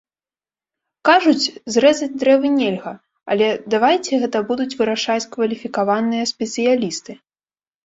Кажуць, зрэзаць дрэвы нельга, але давайце гэта будуць вырашаць кваліфікаваныя спецыялісты.